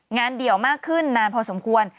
เดี่ยวมากขึ้นนานพอสมควร